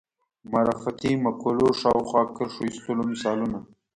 معرفتي مقولو شاوخوا کرښو ایستلو مثالونه